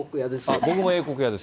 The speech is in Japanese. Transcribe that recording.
僕も英国屋です。